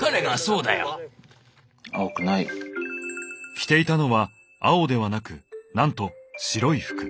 着ていたのは青ではなくなんと白い服。